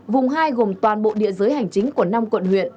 vùng hai gồm toàn bộ địa giới hành chính của năm quận huyện